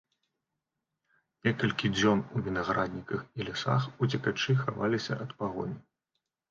Некалькі дзён у вінаградніках і лясах уцекачы хаваліся ад пагоні.